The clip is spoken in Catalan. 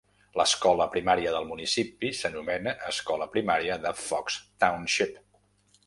L'escola primària del municipi s'anomena Escola Primària de Fox Township.